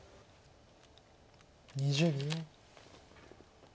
２０秒。